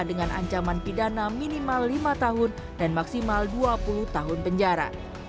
dengan ancaman pidana minimal lima tahun dan maksimal dua puluh tahun penjara